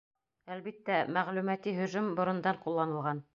Әлбиттә, мәғлүмәти һөжүм борондан ҡулланылған.